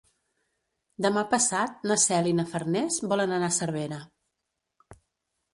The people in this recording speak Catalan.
Demà passat na Cel i na Farners volen anar a Cervera.